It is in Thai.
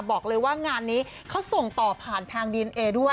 บอกเลยว่างานนี้เขาส่งต่อผ่านทางดีเอนเอด้วย